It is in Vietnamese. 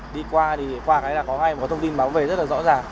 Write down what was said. đi qua thì qua cái là có hay có thông tin báo về rất là rõ ràng